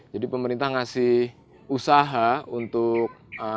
jadi pemerintah ngasih usaha untuk